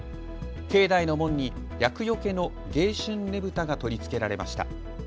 境内の門に厄よけの迎春ねぶたが取り付けられました。